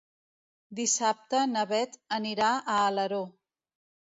Dissabte na Beth anirà a Alaró.